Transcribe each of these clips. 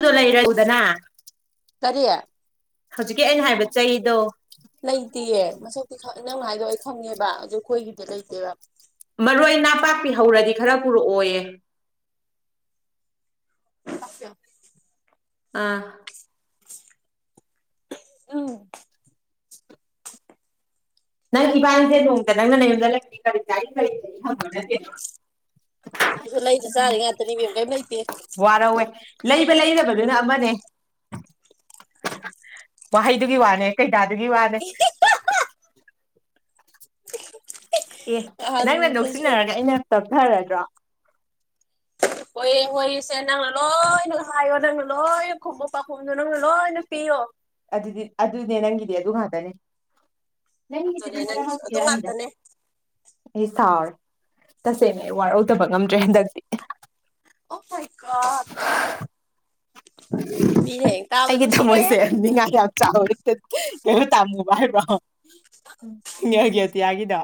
[unintelligible] ꯂꯩꯔꯛꯑꯨꯗꯅ ꯀꯔꯤ ꯍꯧꯖꯤꯛꯀꯤ ꯑꯩꯅ ꯍꯥꯏꯕ ꯆꯩꯗꯣ ꯂꯩꯇꯤꯌꯦ ꯃꯁꯛꯇꯤ ꯅꯪ ꯍꯥꯏꯗꯣ ꯑꯩ ꯈꯪꯉꯦꯕ ꯑꯗꯨ ꯑꯩꯈꯣꯏꯒꯤꯗꯤ ꯂꯩꯇꯦꯕ ꯃꯔꯣꯏ ꯅꯥꯄꯥꯛꯄꯤ ꯍꯧꯔꯗꯤ ꯈꯔ ꯄꯨꯔꯛꯑꯣꯌꯦ [unintelligible] ꯑꯥ ꯎꯝ ꯏꯕꯅꯤꯖꯦ ꯅꯣꯡꯃꯇ ꯅꯪꯅ ꯌꯨꯝꯗ ꯂꯩꯔꯤꯅꯤ ꯀꯔꯤ ꯆꯥꯔꯤ ꯀꯔꯤ ꯊꯛꯏ ꯍꯪꯕ ꯅꯠꯇꯦꯗꯣ ꯁꯤꯁꯨ ꯂꯩꯗ ꯆꯥꯔꯤ ꯉꯥꯛꯇꯅꯤ ꯏꯕꯦꯝ ꯀꯩꯝ ꯂꯩꯇꯦ ꯋꯥꯔꯧꯋꯦ ꯂꯩꯕ ꯂꯩꯗꯕꯗꯨꯅ ꯑꯃꯅꯦ ꯋꯥꯍꯩꯗꯨꯒꯤ ꯋꯥꯅꯦ ꯀꯩꯗꯥꯗꯨꯒꯤ ꯋꯥꯅꯦ ꯑꯦ ꯅꯪꯅ ꯅꯍꯥꯟꯗꯁꯨ ꯅꯣꯛꯁꯤꯟꯅꯔꯒ ꯑꯩꯅ ꯇꯞꯊꯔꯗ꯭ꯔꯣ ꯍꯣꯏ ꯍꯣꯏꯁꯦ ꯅꯪꯅ ꯂꯣꯏꯅ ꯍꯥꯏꯌꯣ ꯅꯪꯅ ꯂꯣꯏꯅ ꯈꯨꯝꯃꯣ ꯄꯥꯈꯨꯝꯗꯣ ꯅꯪꯅ ꯂꯣꯏꯅ ꯄꯤꯌꯣ ꯑꯗꯨꯗꯤ ꯑꯗꯨꯅꯦ ꯅꯪꯒꯤꯗꯤ ꯑꯗꯨ ꯉꯥꯛꯇꯅꯤ ꯑꯗꯨꯅꯦ ꯅꯪꯒꯤꯁꯨ ꯑꯗꯨ ꯉꯥꯛꯇꯅꯦ [unintelligible] ꯑꯩ ꯁꯥꯎꯔꯦ ꯇꯁꯦꯡꯅ ꯑꯩ ꯋꯥꯔꯧꯗꯕ ꯉꯝꯗ꯭ꯔꯦ ꯍꯟꯗꯛꯇꯤ ꯑꯣ ꯃꯥꯏ ꯒꯣꯠ ꯑꯩꯒꯤ ꯅꯨꯡꯁꯤꯔꯣꯏꯍꯦ ꯊꯝꯃꯣꯏꯁꯦ ꯅꯤꯡꯉꯥꯏ ꯌꯥꯝ ꯆꯥꯎꯑꯦ ꯇꯥꯃꯨꯕꯥ ꯍꯥꯏꯕ꯭ꯔꯣ ꯏꯉꯦꯜꯒꯤ ꯑꯇꯤꯌꯥꯒꯤꯗꯣ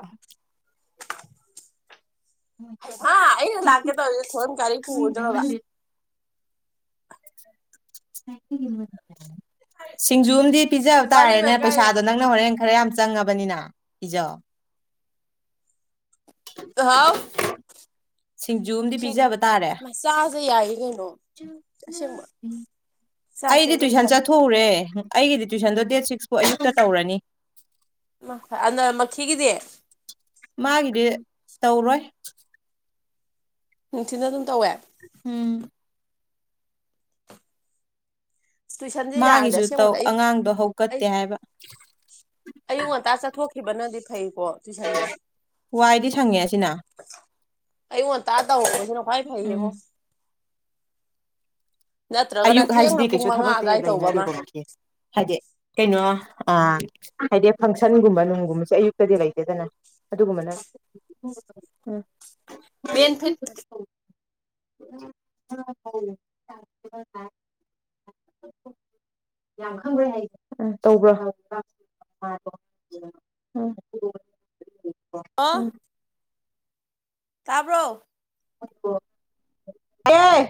ꯍꯥ ꯑꯩꯩꯅ ꯂꯥꯛꯀꯦ ꯇꯧꯔ ꯊꯣꯏꯅ ꯒꯥꯔꯤ ꯄꯨꯔ ꯗꯧꯔꯕ [inaudible] ꯁꯤꯡꯖꯨ ꯑꯝꯗꯤ ꯄꯤꯖꯕ ꯄꯔꯤ ꯇꯥꯔꯦꯅꯦ ꯑꯣꯏ ꯄꯩꯁꯥꯗꯣ ꯀꯥꯏꯗꯅꯣ ꯅꯪꯅ ꯍꯣꯔꯦꯟ ꯈꯔ ꯌꯥꯝ ꯆꯪꯉꯕꯅꯤꯅ ꯄꯤꯖꯧ ꯍꯥꯎ ꯁꯤꯡꯖꯨ ꯑꯃꯗꯤ ꯁꯤ ꯄꯤꯖꯕ ꯇꯥꯔꯦ ꯃꯆꯥꯁꯦ ꯌꯥꯏꯌꯦ ꯀꯩꯅꯣ ꯑꯁꯦꯡꯕ ꯆꯥꯁꯦ ꯑꯩꯗꯤ ꯑꯗꯨꯝ ꯇꯨꯏꯁꯟ ꯐꯩ ꯆꯠꯊꯣꯛꯎꯔꯦ ꯑꯩꯒꯤꯗꯤ ꯇꯨꯏꯁꯟꯗꯣ ꯗꯦꯠ ꯁꯤꯛꯁꯐꯧ ꯑꯌꯨꯛꯇ ꯇꯧꯔꯅꯤ ꯑ ꯅꯛ ꯃꯈꯤꯒꯤꯗꯤ ꯃꯥꯒꯤꯗꯤ ꯇꯧꯔꯣꯏ ꯅꯨꯡꯊꯤꯟꯗ ꯑꯗꯨꯝ ꯇꯧꯋꯦ ꯎꯝ ꯇꯨꯏꯁꯟꯁꯦ ꯌꯥꯔꯗꯤ ꯃꯥꯒꯤꯁꯨ ꯇꯧ ꯑꯁꯦꯡꯕꯗ ꯑꯩ ꯑꯉꯥꯡꯗꯣ ꯑꯩ ꯍꯧꯀꯠꯇꯦ ꯍꯥꯏꯕ ꯑꯌꯨꯛ ꯉꯟꯇꯥ ꯆꯠꯊꯣꯛꯈꯤꯕꯅꯗꯤ ꯐꯩꯀꯣ ꯇꯨꯏꯁꯟꯁꯦ ꯋꯥꯏꯗꯤ ꯁꯪꯉꯦ ꯑꯁꯤꯅ ꯑꯌꯨꯛ ꯉꯟꯇꯥ ꯇꯧꯕꯁꯤꯅ ꯈ꯭ꯋꯥꯏ ꯎꯝ ꯐꯥꯏꯌꯦꯉꯣ ꯑꯌꯨꯛ ꯊꯦꯡꯅ ꯍꯥꯏꯁꯤꯗꯤ ꯄꯨꯡ ꯀꯩꯁꯨ ꯃꯉꯥ ꯊꯕꯛꯇꯦ ꯑꯗꯨꯋꯥꯏ ꯇꯧꯕ ꯑꯃ ꯂꯩꯅꯗꯦꯀꯣ ꯔꯣꯁꯅꯤ ꯍꯥꯏꯗꯤ ꯀꯩꯅꯣ ꯑ ꯍꯥꯏꯗꯤ ꯐꯪꯁꯟꯒꯨꯝꯕ ꯅꯨꯡꯒꯨꯝꯕꯁꯨ ꯑꯌꯨꯛꯇꯗꯤ ꯂꯩꯇꯦꯗꯅ ꯑꯗꯨꯒꯨꯝꯕꯅ ꯎꯝ ꯃꯦꯟ ꯐꯤꯠ [unintelligible] ꯌꯥꯝ ꯈꯪꯕ꯭ꯔꯥ ꯍꯥꯏ ꯎ ꯇꯧꯕ꯭ꯔ ꯎꯝ ꯑꯣ ꯎꯝ ꯇꯥꯕ꯭ꯔꯣ ꯇꯥꯏꯌꯦ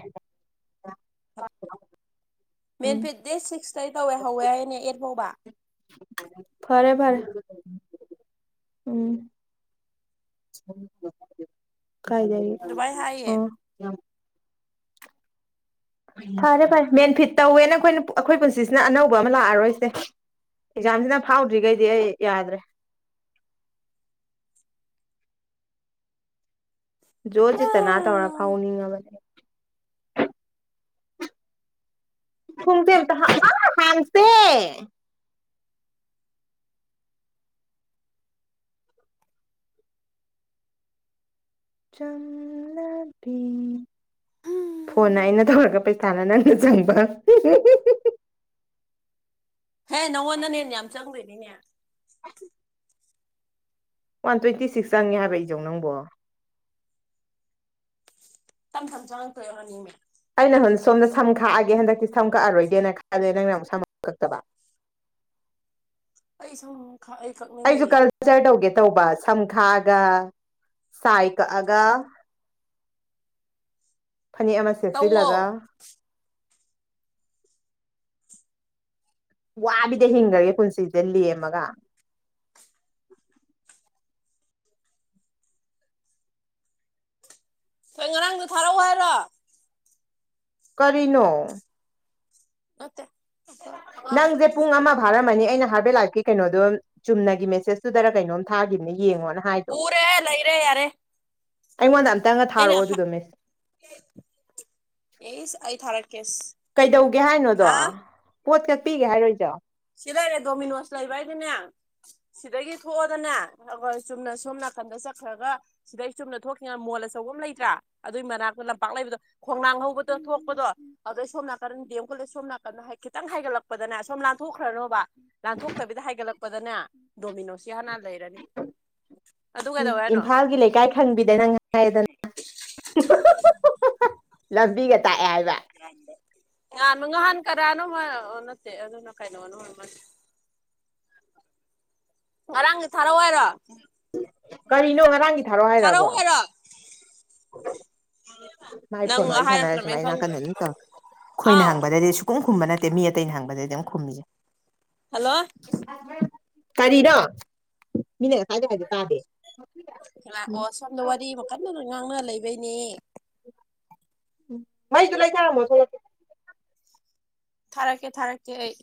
ꯃꯦꯟ ꯐꯤꯠ ꯗꯦꯠ ꯁꯤꯛꯁꯇꯩ ꯇꯧꯋꯦ ꯍꯧꯋꯦ ꯍꯥꯏꯅꯦ ꯑꯦꯠ ꯐꯥꯎꯕ ꯐꯔꯦ ꯐꯔꯦ ꯎꯝ ꯀꯥꯏꯗꯒꯤ ꯑꯗꯨꯃꯥꯏꯅ ꯍꯥꯏꯌꯦ ꯑꯣ ꯐꯔꯦ ꯐꯔꯦ ꯃꯦꯟꯐꯤꯠ ꯇꯧꯋꯦꯅ ꯑꯩꯈꯣꯏꯅ ꯑꯩꯈꯣꯏ ꯄꯨꯟꯁꯤꯁꯤꯅ ꯑꯅꯧꯕ ꯑꯃ ꯂꯥꯛꯑꯔꯣꯏꯁꯦ ꯑꯦꯛꯖꯥꯝꯁꯤꯅ ꯐꯥꯎꯗ꯭ꯔꯤꯒꯩꯗꯤ ꯑꯩ ꯌꯥꯗ꯭ꯔꯦ ꯖꯣꯔ ꯖꯤꯇꯅ ꯇꯧꯔ ꯐꯥꯎꯅꯤꯡꯉꯕꯅꯦ ꯊꯣꯡꯁꯦ ꯑꯝꯇ ꯍꯥꯡ ꯑꯥ ꯍꯥꯡꯁꯦ ꯆꯝꯂꯕꯤ ꯐꯣꯟꯅ ꯑꯩꯅ ꯇꯧꯔꯒ ꯄꯩꯁꯥꯅ ꯅꯪꯅ ꯍꯨ ꯍꯨ ꯍꯨꯍꯨꯍꯨ ꯍꯦ ꯅꯪꯉꯣꯟꯗ ꯍꯦꯟ ꯌꯥꯝ ꯆꯪꯗꯣꯏꯅꯤꯅꯦ ꯋꯥꯟ ꯇ꯭ꯋꯦꯟꯇꯤ ꯁꯤꯛꯁ ꯆꯪꯉꯦ ꯍꯥꯏꯕ ꯏꯖꯧ ꯅꯪꯕꯣ ꯇꯝ ꯊꯝ ꯆꯉꯛꯇꯣꯏ ꯑꯣꯏꯔꯝꯅꯤꯃꯤ ꯑꯩꯅ ꯍꯖꯤꯛ ꯁꯣꯝꯗ ꯁꯝ ꯈꯥꯛꯑꯒꯦ ꯍꯟꯗꯛꯇꯤ ꯁꯝ ꯀꯛꯑꯔꯣꯏꯒꯦꯅ ꯈꯜꯂꯦ ꯅꯪꯅ ꯑꯃꯨꯛ ꯁꯝ ꯑꯃꯨꯛ ꯀꯛꯇꯕ [inaudible] ꯑꯩ ꯁꯝ ꯑꯩ ꯑꯩꯖꯨ ꯀꯛꯅꯤꯡꯉꯤꯌꯦ ꯀꯜꯆꯔ ꯇꯧꯒꯦ ꯇꯧꯕ ꯁꯝ ꯈꯥꯛꯑꯒ ꯁꯥꯏ ꯀꯛꯑꯒ ꯐꯅꯦꯛ ꯑꯃ ꯇꯧꯋꯣ ꯁꯦꯠꯆꯤꯜꯂꯒ ꯋꯥꯕꯤꯗ ꯍꯤꯡꯒ꯭ꯔꯒꯦ ꯄꯨꯟꯁꯤꯁꯦ ꯂꯦꯝꯃꯒ ꯍꯣꯏ ꯉꯔꯥꯡꯗꯣ ꯊꯥꯔꯛꯑꯣ ꯍꯥꯏꯔꯣ ꯀꯔꯤꯅꯣ ꯅꯠꯇꯦ ꯅꯪꯁꯦ ꯄꯨꯡ ꯑꯃ ꯐꯥꯔꯝꯃꯅꯤ ꯑꯩꯅ ꯍꯥꯏ ꯕꯦꯜ ꯂꯥꯢꯐꯀꯤ ꯀꯩꯅꯣꯗꯣ ꯆꯨꯝꯅꯒꯤ ꯃꯦꯁꯦꯁꯇꯨꯗꯔ ꯀꯩꯅꯣꯝ ꯊꯥꯈꯤꯕꯅꯤ ꯎꯔꯦꯍꯦ ꯂꯩꯔꯦ ꯌꯥꯔꯦ ꯑꯩꯉꯣꯟꯗ ꯑꯝ ꯑꯩꯅ ꯍꯥ ꯑꯦꯁ ꯑꯩ ꯊꯔꯛ ꯀꯩꯗꯧꯒꯦ ꯍꯥꯏꯅꯣꯗꯣ ꯄꯣꯠ ꯀꯛꯄꯤꯒꯦ ꯍꯥꯏꯔꯣ ꯏꯖꯧ ꯁꯤ ꯂꯩꯔꯦ ꯗꯣꯃꯤꯅꯣꯁ ꯂꯩꯕ ꯍꯥꯏꯗꯤꯅꯦ ꯁꯤꯗꯒꯤ ꯊꯣꯛꯑꯣꯗꯅꯦ ꯑꯩꯈꯣꯏ ꯆꯨꯝꯅ ꯁꯣꯝ ꯅ ꯈꯟꯗ ꯆꯠꯈ꯭ꯔꯒ ꯁꯤꯗꯩ ꯆꯨꯝꯅ ꯊꯣꯛꯈꯤꯕ ꯃꯣꯜ ꯑꯆꯧꯕ ꯑꯃ ꯂꯩꯇ꯭ꯔꯥ ꯑꯗꯨꯏ ꯃꯅꯥꯛꯇ ꯂꯝꯄꯥꯛ ꯂꯩꯕꯗꯣ ꯈꯣꯡꯅꯥꯡ ꯥꯍꯥꯡꯍꯧꯕꯗꯣ ꯊꯣꯛꯄꯗꯣ ꯑꯗꯣ ꯁꯣꯝ ꯅꯥꯀꯟ ꯗꯤ ꯑꯦꯝ ꯀꯣꯂꯦꯁ ꯁꯣꯝ ꯅꯥꯀꯟꯗ ꯍꯥꯏ ꯈꯤꯇꯪ ꯍꯥꯏꯒꯠꯂꯛꯄꯗꯅ ꯁꯣꯝ ꯂꯥꯟ ꯊꯣꯛꯈ꯭ꯔꯅꯣꯕ ꯂꯥꯟꯊꯣꯛꯇꯕꯤꯗ ꯍꯥꯏꯒꯠꯂꯛꯄꯗꯅꯦ ꯗꯣꯃꯤꯅꯣꯁꯤ ꯍꯥꯟꯅ ꯂꯩꯔꯅꯤ ꯑꯗꯨ ꯀꯩꯗꯧꯋꯦ ꯍꯥꯏꯅꯣ ꯏꯝꯐꯥꯜꯒꯤ ꯂꯩꯀꯥꯏ ꯈꯪꯕꯤꯗ ꯅꯪ ꯍꯥꯏꯔꯦꯗꯅ ꯍꯥ ꯍꯥ ꯍꯥ ꯍꯥꯍꯥ ꯂꯝꯕꯤꯒ ꯇꯥꯛꯑꯦ ꯍꯥꯏꯕ ꯌꯥꯝꯕ ꯌꯥꯝ ꯉꯍꯥꯟ ꯀꯅꯥꯅꯣꯝꯃ ꯍꯥ ꯅꯠꯇꯦ ꯑꯗꯨꯅ ꯀꯩꯅꯣ [unintelligible] ꯉꯔꯥꯡ ꯊꯥꯔꯛꯑꯣ ꯍꯥꯏꯔꯣ ꯀꯔꯤꯅꯣ ꯉꯔꯥꯡꯒꯤ ꯊꯥꯔꯛꯑꯣ ꯊꯥꯔꯛꯎ ꯍꯥꯏꯔꯕꯣ ꯍꯥꯏꯔꯣ ꯃꯥꯏ ꯅꯪ ꯐꯣꯟ ꯋꯥꯔꯤ ꯁꯥꯟꯅꯔ ꯍꯥꯏꯔꯛꯇ꯭ꯔꯃꯦꯅ ꯁꯨꯃꯥꯏ ꯈꯪꯗ꯭ꯔꯦ ꯅꯥꯀꯟꯗ ꯗꯨꯝ ꯇꯧ ꯑꯩꯈꯣꯏꯅ ꯑꯥꯎ ꯍꯪꯕꯗꯗꯤ ꯁꯨꯈꯨꯝ ꯈꯨꯝꯕ ꯅꯠꯇꯦ ꯃꯤ ꯑꯇꯩꯅ ꯍꯪꯕꯗꯗꯤ ꯗꯝ ꯈꯨꯝꯃꯤꯖꯦ ꯍꯜꯂꯣ ꯀꯔꯤꯅꯣ ꯃꯤꯅ ꯉꯁꯥꯏꯗꯩ ꯍꯥꯢꯖꯦ ꯇꯥꯗꯦ ꯂꯥꯛꯑꯣ ꯁꯣꯝꯗ ꯋꯥꯔꯤ ꯑꯃ ꯀꯟꯅ ꯉꯥꯡꯅ ꯂꯩꯕꯩꯅꯦ ꯃꯩꯗꯨꯨ ꯂꯩꯊꯔꯝꯃꯣ ꯊꯣꯂꯛꯀꯦ ꯊꯥꯔꯛꯀꯦ ꯊꯥꯔꯛꯀꯦ ꯑꯩ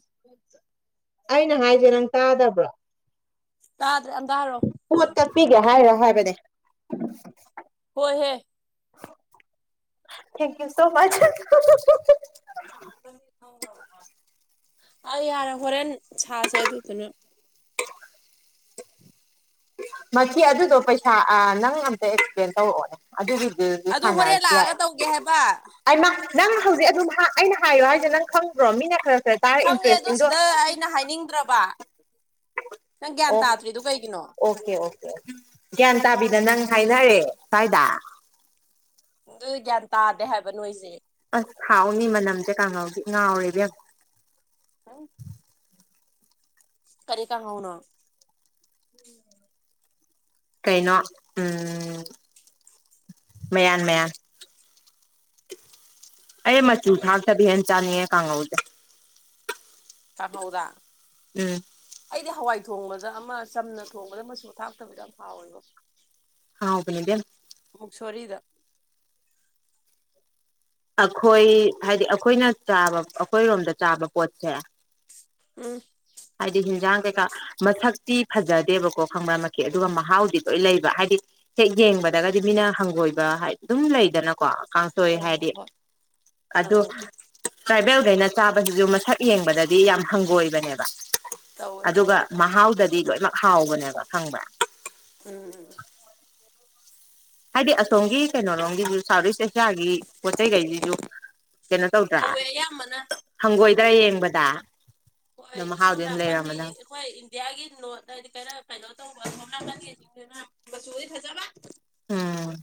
ꯑꯩꯅ ꯍꯥꯏꯖꯦ ꯅꯪ ꯇꯥꯗꯕ꯭ꯔꯣ ꯇꯥ ꯄꯣꯠ ꯀꯛꯄꯤꯒꯦ ꯍꯥꯏꯔ ꯍꯥꯏꯕꯅꯦ ꯍꯣꯏꯍꯦ ꯊꯦꯡꯀ꯭ꯌꯨ ꯁꯣ ꯃꯆ ꯍ ꯍꯨ ꯍꯨ ꯍꯨ [inaudible] ꯑ ꯌꯥꯔꯦ ꯍꯣꯔꯦꯟ ꯁꯥꯁꯦ ꯑꯗꯨꯗꯨꯅ ꯃꯁꯤ ꯑꯗꯨꯗꯣ ꯄꯩꯁꯥ ꯑꯥ ꯅꯪ ꯑꯝꯇ ꯑꯦꯛꯁꯄ꯭ꯂꯦꯟ ꯇꯧꯔꯛꯑꯣꯅꯦ ꯑꯗꯨꯒꯤ ꯑꯗꯨꯗꯗꯤ ꯑꯗꯨ ꯍꯣꯔꯦꯟ ꯁꯥꯟꯅꯔꯁꯨ ꯂꯥꯛꯑꯒ ꯌꯥꯔꯦ ꯇꯧꯒꯦ ꯍꯥꯏꯕ ꯑꯩꯃ ꯅꯪ ꯍꯧꯖꯤꯛ ꯑꯗꯨꯝ ꯍꯥ ꯑꯩꯅ ꯍꯥꯏꯌꯣ ꯍꯥꯏꯁꯦ ꯅꯪ ꯈꯪꯗꯔꯣ ꯃꯤꯅ ꯈꯔ ꯈꯔ ꯇꯥꯔ ꯈꯪꯉꯦ ꯑꯗꯨ ꯏꯟꯇꯔꯦꯁꯇꯤꯡꯗꯣ ꯁꯤꯗ ꯑꯩꯅ ꯍꯥꯏꯅꯤꯡꯗ꯭ꯔꯕ ꯅꯪ ꯒ꯭ꯌꯥꯟ ꯑꯣꯛ ꯇꯥꯗ꯭ꯔꯤꯗꯨ ꯀꯩꯒꯤꯅꯣ ꯑꯣꯀꯦ ꯑꯣꯀꯦ ꯒ꯭ꯌꯥꯟ ꯇꯥꯕꯤꯗ ꯅꯪ ꯍꯥꯏꯅꯔꯦ ꯁ꯭ꯋꯥꯏꯗ ꯑꯗꯨ ꯒ꯭ꯌꯥꯟ ꯇꯥꯗꯦ ꯍꯥꯏꯕ ꯅꯣꯏꯖꯦ ꯑꯁ ꯍꯥꯎꯅꯤ ꯃꯅꯝꯁꯦ ꯀꯥꯡꯉꯧꯗꯤ ꯉꯥꯎꯔꯦ ꯏꯕꯦꯝ ꯍ ꯀꯔꯤ ꯀꯥꯡꯍꯧꯅꯣ ꯀꯩꯅꯣ ꯎꯝ ꯃꯌꯥꯟ ꯃꯌꯥꯟ ꯑꯩ ꯃꯆꯨ ꯀꯔꯤ ꯀꯔꯤ ꯊꯥꯛꯇꯕꯤ ꯍꯦꯟ ꯆꯥꯅꯤꯡꯉꯦ ꯀꯥꯡꯍꯧꯁꯦ ꯀꯥꯡꯍꯧꯗ ꯎꯝ ꯑꯩꯗꯤ ꯍꯋꯥꯏ ꯊꯣꯡꯕꯗ ꯑꯃ ꯆꯝꯅ ꯊꯣꯡꯕꯗ ꯃꯆꯨ ꯊꯥꯛꯇꯕꯤꯗꯣ ꯌꯥꯝ ꯍꯥꯎꯋꯦꯕꯣ ꯍꯥꯎꯕꯅꯤ ꯏꯕꯦꯝ ꯁꯣꯔꯤꯗ ꯑꯈꯣꯏ ꯍꯥꯏꯗꯤ ꯑꯈꯣꯏꯅ ꯆꯥꯕ ꯑꯈꯣꯏꯔꯣꯝꯗ ꯆꯥꯕ ꯄꯣꯠꯁꯦ ꯎꯝ ꯍꯥꯏꯗꯤ ꯍꯤꯟꯖꯥꯡ ꯀꯩꯀꯥ ꯃꯁꯛꯇꯤ ꯐꯖꯗꯦꯕꯀꯣ ꯈꯪꯕ꯭ꯔ ꯃꯛꯀꯤ ꯑꯗꯨꯒ ꯃꯍꯥꯎꯗꯤ ꯂꯣꯏ ꯂꯩꯕ ꯍꯥꯏꯗꯤ ꯍꯦꯛ ꯌꯦꯡꯕꯗꯒꯗꯤ ꯃꯤꯅ ꯍꯪꯒꯣꯏꯕ ꯍꯥꯏ ꯑꯗꯨꯝ ꯂꯩꯗꯅꯀꯣ ꯀꯥꯡꯁꯣꯢ ꯍꯣꯏ ꯍꯣꯏ ꯍꯥꯏꯗꯤ ꯍꯣꯏ ꯑꯗꯣ ꯑꯥ ꯇ꯭ꯔꯥꯏꯕꯦꯜ ꯀꯩꯅ ꯆꯥꯕꯖꯤꯖꯨ ꯃꯁꯛ ꯌꯦꯡꯕꯗꯗꯤ ꯌꯥꯝ ꯍꯪꯒꯣꯏꯕꯅꯦꯕ ꯇꯧꯋꯦ ꯇꯧꯋꯦ ꯑꯗꯨꯒ ꯃꯍꯥꯎꯗ ꯗꯤ ꯂꯣꯏꯅꯃꯛ ꯍꯥꯎꯕꯅꯦꯕ ꯈꯪꯕ꯭ꯔꯥ ꯎꯝ ꯎꯝ ꯍꯥꯏꯗꯤ ꯑꯁꯣꯝꯒꯤ ꯀꯩꯅꯣ ꯔꯣꯝꯒꯤꯖꯨ ꯁꯥꯎꯠ ꯏꯁꯠ ꯑꯦꯁ ꯏꯁꯥꯒꯤ ꯄꯣꯠ ꯆꯩꯒꯩꯖꯤꯖꯨ ꯀꯩꯅꯣ ꯇꯧꯗ꯭ꯔꯥ ꯇꯧꯋꯦ ꯑꯌꯥꯝꯕꯅ ꯍꯪꯒꯣꯏꯗ꯭ꯔ ꯌꯦꯡꯕꯗ ꯑꯗꯣ ꯍꯣꯏ ꯁꯣꯝ ꯃꯍꯥꯎꯗꯤ ꯑꯗꯨꯝ ꯅꯥꯀꯟꯅꯤ ꯂꯩꯔꯝꯃꯗꯕꯅꯤ ꯑꯩꯈꯣꯏ ꯏꯟꯗꯤꯌꯥꯒꯤ ꯅꯣꯠ ꯍꯥꯏꯗꯤ ꯀꯩꯅ ꯀꯩꯅꯣ ꯇꯧꯕ ꯑꯁꯣꯝ ꯅꯥꯀꯟꯒꯤꯖꯤꯡꯗꯨꯅ ꯃꯆꯨꯗꯤ ꯐꯖꯕ ꯎꯝ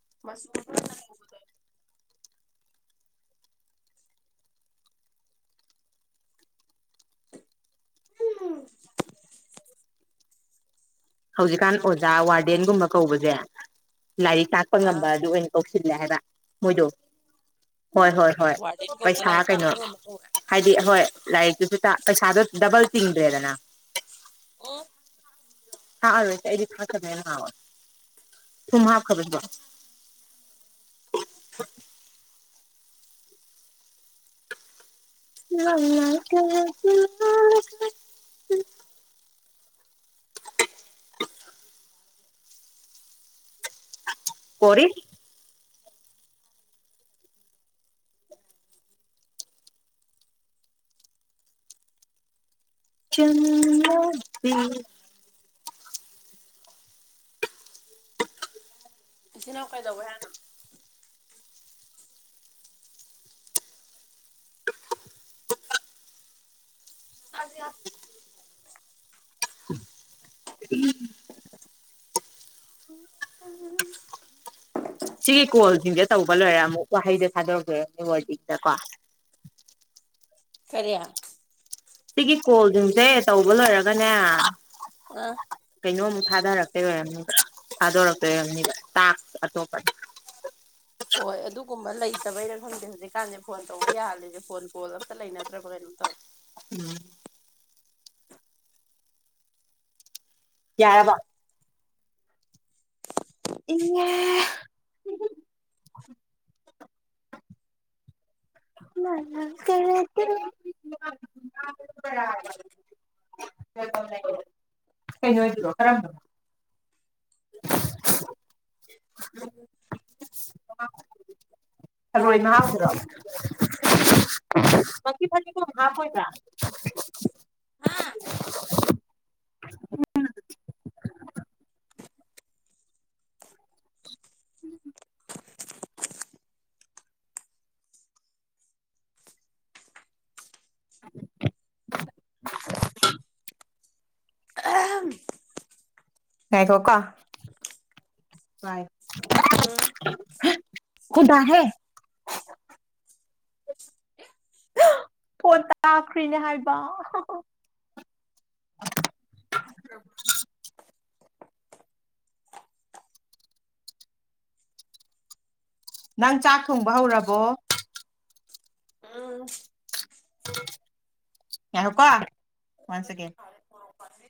[unintelligible] ꯍꯨꯝ ꯍꯧꯖꯤꯛꯀꯥꯟ ꯑꯣꯖꯥ ꯋꯥꯔꯗꯦꯟꯒꯨꯝꯕ ꯀꯧꯕꯖꯦ ꯂꯥꯏꯔꯤꯛ ꯇꯥꯛꯄ ꯉꯝꯕ ꯑꯥ ꯑꯗꯨ ꯑꯣꯏꯅ ꯀꯧ [unintelligible] ꯍꯥꯏꯕ ꯃꯣꯏꯗꯣ ꯍꯣꯏ ꯍꯣꯏ ꯍꯣꯏ ꯋꯥꯔꯗꯦꯟ ꯀꯧꯕꯗꯣ ꯄꯩꯁꯥ ꯂꯥꯏꯔꯤꯛ ꯀꯩꯅꯣ ꯇꯥꯛꯄ ꯉꯝꯕ ꯀꯧꯋꯦ ꯍꯥꯏꯗꯤ ꯑꯍꯣꯏ ꯂꯥꯏꯔꯤꯛꯇꯨ ꯗ ꯇ ꯄꯩꯁꯥꯗꯣ ꯗꯕꯜ ꯇꯤꯡꯗ꯭ꯔꯦꯗꯅ ꯑꯣ ꯊꯥꯛ ꯑꯔꯣꯏ ꯑꯩꯗꯤ ꯊꯥꯛꯇꯕꯅ ꯍꯦꯟ ꯍꯥꯎꯋꯦ ꯊꯨꯝ ꯍꯥꯞꯈ꯭ꯔꯕꯣ ꯁꯤꯕꯣ [inaudible] [unintelligible] ꯀꯣꯔꯤ ꯆꯝꯂꯕꯤ [inaudible] ꯏꯆꯦꯅꯥꯎ ꯀꯩꯗꯧꯋꯦ ꯍꯥꯏꯅꯣ [unintelligible] [unintelligible] ꯁꯤꯒꯤ ꯀꯣꯜꯁꯤꯡꯁꯦ ꯇꯧꯕ ꯂꯣꯏꯔꯦ ꯑꯃꯨꯛ ꯋꯥꯍꯩꯗ ꯊꯥꯗꯣꯔꯛꯇꯣꯏꯔꯝꯅꯦ ꯋꯥꯔꯗꯤꯛꯗ ꯀꯣ ꯀꯔꯤ ꯁꯤꯒꯤ ꯀꯣꯜꯁꯤꯡꯁꯦ ꯇꯧꯕ ꯂꯣꯏꯔꯒꯅꯦ ꯑꯥ ꯀꯩꯅꯣ ꯃꯨꯛ ꯊꯥꯗꯔꯛꯇꯣꯏ ꯑꯣꯏꯔꯝꯅꯤꯕ ꯊꯥꯗꯣꯔꯛꯇꯣꯏ ꯑꯣꯏꯔꯝꯅꯤꯕ ꯇꯥꯛꯁ ꯑꯇꯣꯞꯄ ꯍꯣꯏ ꯑꯗꯨꯒꯨꯝꯕ ꯂꯩꯇꯕꯩꯔ ꯈꯪꯗꯦ ꯍꯧꯖꯤꯛꯀꯥꯟꯁꯦ ꯐꯣꯟ ꯇꯧꯕ ꯌꯥꯍꯜꯂꯤꯁꯦ ꯐꯣꯟ ꯀꯣꯜ ꯑꯝꯇ ꯂꯩꯅꯗ꯭ꯔꯕ ꯀꯩꯅꯣꯝ ꯇꯧꯋꯦ ꯎꯝ ꯌꯥꯔꯕ ꯏꯪꯉꯦ [unintelligible] [unintelligible] [unintelligible] [unintelligible] ꯊꯔꯣꯏ ꯃꯍꯥꯎꯗꯨꯔꯣ ꯃꯁꯤ ꯐꯗꯤꯒꯣꯝ ꯍꯥꯞꯄꯣꯏꯗ꯭ꯔ ꯍꯥ [unintelligible] [unintelligible] ꯑꯍꯝ ꯉꯥꯏꯈꯣꯀꯣ ꯎꯝ ꯐꯣꯟ ꯇꯥꯇ꯭ꯔꯦ ꯐꯣꯟ ꯇꯥꯈ꯭ꯔꯤꯅꯦ ꯍꯥꯏꯕ ꯍꯥ ꯍꯥ ꯅꯪ ꯆꯥꯛ ꯊꯣꯡꯕ ꯍꯧꯔꯕꯣ ꯎꯝ ꯉꯥꯏꯈꯣꯀꯣ ꯋꯥꯟ ꯁꯦꯀꯦꯟ ꯐꯔꯦ ꯃꯣꯔꯣꯛ ꯄꯥꯝꯕꯤ